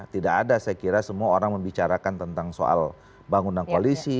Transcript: tidak ada saya kira semua orang membicarakan tentang soal bangunan koalisi